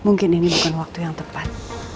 mungkin ini bukan waktu yang tepat